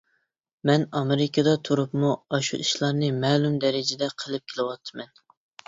مەن ئامېرىكىدا تۇرۇپمۇ ئاشۇ ئىشلارنى مەلۇم دەرىجىدە قىلىپ كېلىۋاتىمەن.